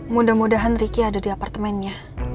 mudah mudahan riki ada di apartemennya